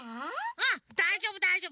うんだいじょうぶだいじょうぶ！